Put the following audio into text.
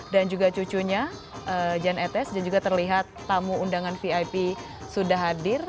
dan juga cucunya jan etes dan juga terlihat tamu undangan vip sudah hadir